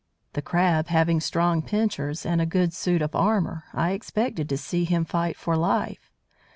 The Crab having strong pincers, and a good suit of armour, I expected to see him fight for life.